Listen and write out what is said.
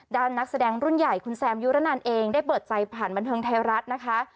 นักแสดงรุ่นใหญ่คุณแซมยุรนันเองได้เปิดใจผ่านบันเทิงไทยรัฐนะคะ